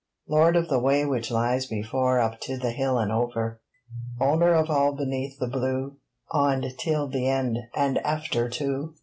Lord of the way which lies before Up to the hill and over Owner of all beneath the blue, On till the end, and after, too!